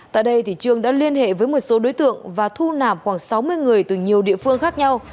tại đây trương đã liên hệ với một số đối tượng và thu nảm khoảng sáu mươi người từ nhiều địa phương khác nhau